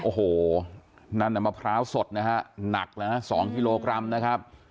โอ้โหนั่นน่ะมะพร้าวสดนะฮะหนักแล้วนะ๒กิโลกรัมนะครับ